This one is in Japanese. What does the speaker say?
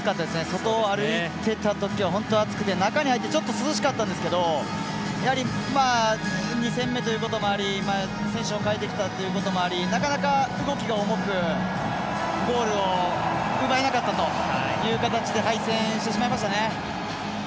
外を歩いてたときは本当、暑くて中に入って、ちょっと涼しかったんですけどやはり２戦目ということもあり選手を代えてきたということもありなかなか動きが重くゴールを奪えなかった形で敗戦してしまいましたね。